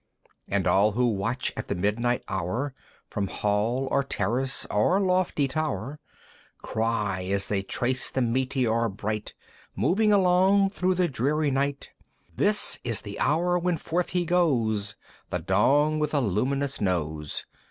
And all who watch at the midnight hour, From Hall or Terrace, or Lofty Tower, Cry, as they trace the Meteor bright, Moving along through the dreary night, "This is the hour when forth he goes, "The Dong with a luminous Nose!